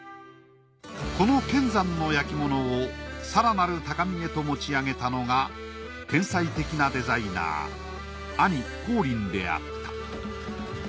この乾山の焼物を更なる高みへと持ち上げたのが天才的なデザイナー兄光琳であった。